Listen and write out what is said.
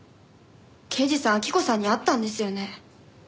刑事さん晃子さんに会ったんですよね？